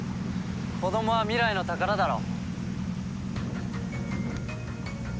子供は未来の宝だろ。